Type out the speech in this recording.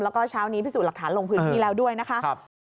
แล้วก็เช้านี้พิสูจน์หลักฐานลงพื้นที่แล้วด้วยนะคะ